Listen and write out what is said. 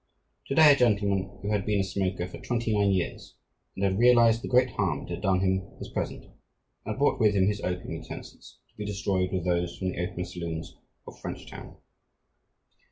To day a gentleman, who had been a smoker for twenty nine years and had realized the great harm it had done him, was present, and had brought with him his opium utensils to be destroyed with those from the opium saloons of French town.